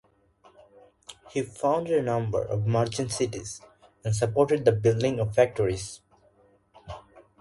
He founded a number of merchant cities, and supported the building of factories.